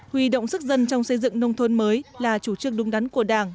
huy động sức dân trong xây dựng nông thôn mới là chủ trương đúng đắn của đảng